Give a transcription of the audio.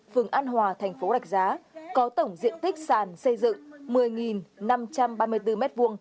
phường an hòa thành phố rạch giá có tổng diện tích sàn xây dựng một mươi năm trăm ba mươi bốn m hai